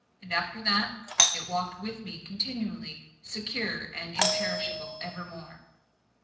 And after that, it walked with me continually, secure and imperishable evermore.